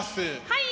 はい。